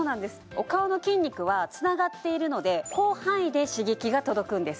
お顔の筋肉はつながっているので広範囲で刺激が届くんです